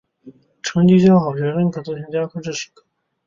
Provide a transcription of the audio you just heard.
成绩较好学生可自行加科至十科。